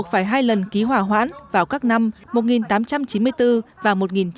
hai lần ký hỏa hoãn vào các năm một nghìn tám trăm chín mươi bốn và một nghìn chín trăm linh một